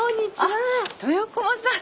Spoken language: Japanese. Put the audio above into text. あっ豊駒さん。